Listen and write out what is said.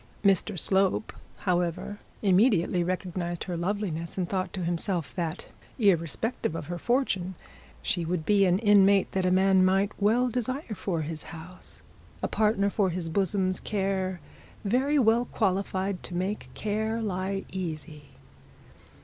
Mr Slope, however, immediately recognised the loveliness, and thought to himself, that irrespective of her fortune, she would be an inmate that a man might well desire for his house, a partner for his bosom's care very well qualified to make care lie easy.